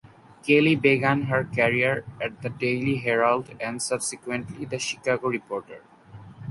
Kelly began her career at the Daily Herald and subsequently the Chicago Reporter.